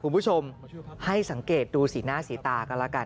ผู้ชมให้สังเกตดูสิหน้าสิตากันล่ะกัน